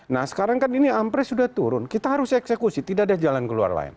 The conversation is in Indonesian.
nah sekarang kan ini ampres sudah turun kita harus eksekusi tidak ada jalan keluar lain